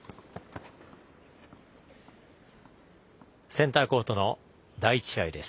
センターコートの第１試合です。